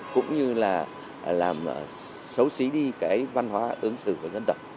cũng như là làm xấu xí đi cái văn hóa ứng xử của dân tộc